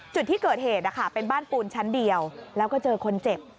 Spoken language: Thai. จุดที่เกิดเหตุเป็นบ้านปูนชั้นเดียวแล้วก็เจอคนเจ็บ